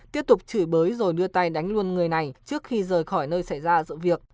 tiếp tục chửi bới rồi đưa tay đánh luôn người này trước khi rời khỏi nơi xảy ra sự việc